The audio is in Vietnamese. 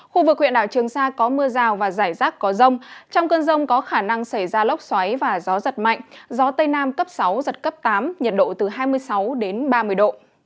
khu vực huyện đảo trường sa có mưa rào và rải rác có rông trong cơn rông có khả năng xảy ra lốc xoáy và gió giật mạnh gió tây nam cấp sáu giật cấp tám nhiệt độ từ hai mươi sáu đến ba mươi độ